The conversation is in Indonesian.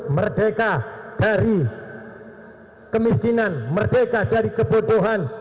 merdeka dari kemiskinan merdeka dari kebutuhan